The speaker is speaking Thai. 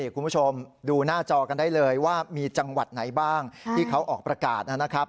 คุณผู้ชมดูหน้าจอกันได้เลยว่ามีจังหวัดไหนบ้างที่เขาออกประกาศนะครับ